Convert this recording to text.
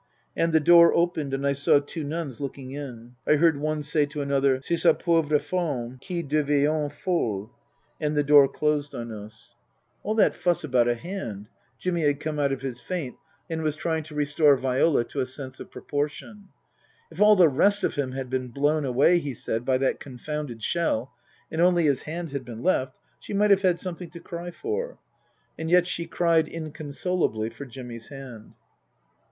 And the door opened and I saw two nuns looking in. I heard one say to another, " C'est sa pauvre femme qui dement folle" And the door closed on us. Book III : His Book 327 " All that fuss about a hand !" Jimmy had come out of his faint and was trying to restore Viola to a sense of proportion. If all the rest of him had been blown away, he said, by that confounded shell, and only his hand had been left, she might have had something to cry for. And yet she cried inconsolably for Jimmy's hand.